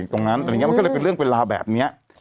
ตรงนั้นอะไรอย่างนี้มันก็เลยเป็นเรื่องเป็นราวแบบนี้